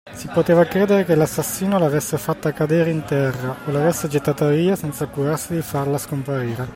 Si poteva credere che l'assassino l'avesse fatta cadere in terra o l'avesse gettata via, senza curarsi di farla scomparire?